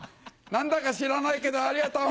なんだか知らないけど、ありがとう。